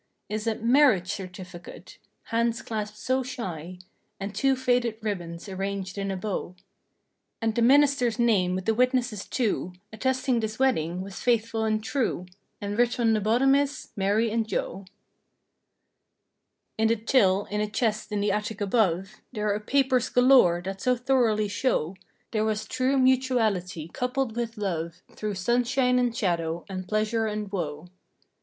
Is a "Marriage Certificate"—hands clasped so shy. And two faded ribbons arranged in a bow. And the minister's name with the witnesses too, 219 Attesting this wedding was faithful and true— And writ on the bottom is: "Mary and Joe." In the "till" in a chest in the attic above There are papers galore that so thoroughly show There was true mutuality coupled with love Through sunshine and shadow and pleasure and woe.